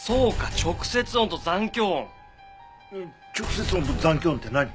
直接音と残響音って何？